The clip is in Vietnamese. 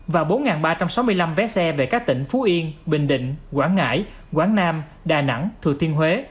và bốn ba trăm sáu mươi năm vé xe về các tỉnh phú yên bình định quảng ngãi quảng nam đà nẵng thừa thiên huế